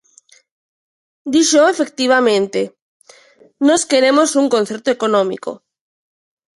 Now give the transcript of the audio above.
Díxoo efectivamente: nós queremos un concerto económico.